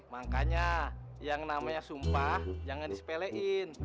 makanya yang namanya sumpah jangan disepelein